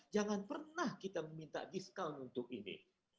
jangan pernah kita meminta discount untuk ini